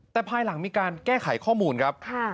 แต่ภายหลังมีการแก้ไขข้อมูลครับ